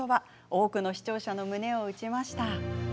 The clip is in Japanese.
多くの視聴者の胸を打ちました。